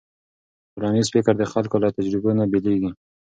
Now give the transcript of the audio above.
ټولنیز فکر د خلکو له تجربو نه بېلېږي.